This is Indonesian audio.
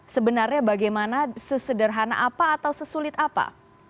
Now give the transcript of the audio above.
sebenarnya bagaimana sesederhana apa atau sesulit apa